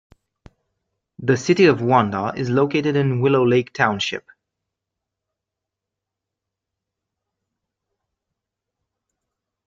The city of Wanda is located in Willow Lake Township.